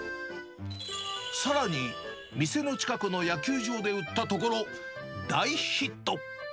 さらに、店の近くの野球場で売ったところ、大ヒット。